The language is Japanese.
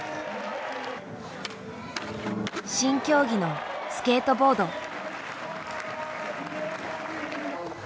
新競技のスケートボード。